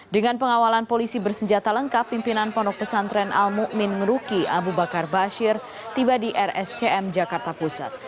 dengan pengawalan polisi bersenjata lengkap pimpinan ponok pesantren al mu'min ngeruki abu bakar bashir tiba di rscm jakarta pusat